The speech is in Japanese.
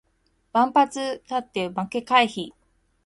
万発捲って負け回避